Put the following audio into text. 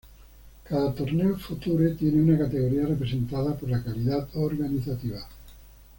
Cada torneo Future tiene una categoría representada por la calidad organizativa.